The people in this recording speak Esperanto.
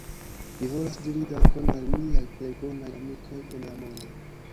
Mi volas diri Dankon al miaj plej bonaj amikoj en la mondo